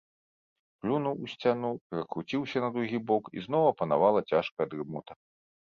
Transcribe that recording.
Плюнуў у сцяну, перакруціўся на другі бок, і зноў апанавала цяжкая дрымота.